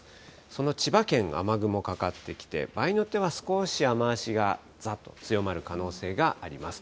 その千葉県、雨雲かかってきて、場合によっては少し雨足が、ざっと強まる可能性があります。